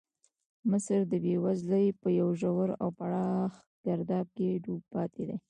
مصر د بېوزلۍ په یو ژور او پراخ ګرداب کې ډوب پاتې شو.